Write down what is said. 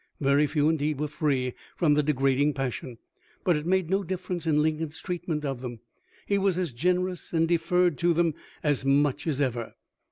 Very few indeed were free from the degrading passion ; but it made no difference in Lincoln's treatment of them. He was as generous and deferred to them as much as ever.